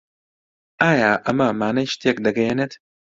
ئایا ئەمە مانای شتێک دەگەیەنێت؟